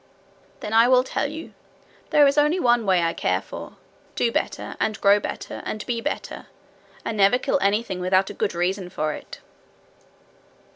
'Then I will tell you. There is only one way I care for. Do better, and grow better, and be better. And never kill anything without a good reason for it.'